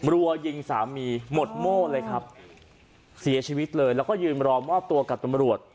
รัวยิงสามีหมดโม่เลยครับเสียชีวิตเลยแล้วก็ยืนรอมอบตัวกับตำรวจ